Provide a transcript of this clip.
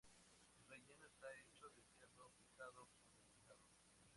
El relleno está hecho de cerdo picado condimentado.